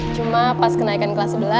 cuma pas kenaikan kelas sebelas